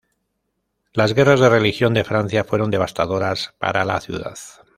Las Guerras de religión de Francia fueron devastadoras para la ciudad.